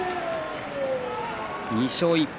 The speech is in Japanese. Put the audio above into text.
２勝１敗。